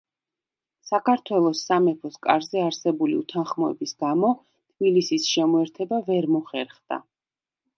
საქართველოს სამეფოს კარზე არსებული უთანხმოების გამო, თბილისის შემოერთება ვერ მოხერხდა.